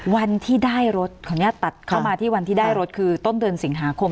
วันที่ได้รถขออนุญาตตัดเข้ามาที่วันที่ได้รถคือต้นเดือนสิงหาคม